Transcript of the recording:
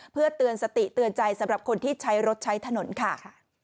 เพื่อเตือนสติเตือนใจสำหรับคนที่ใช้รถใช้ถนนค่ะ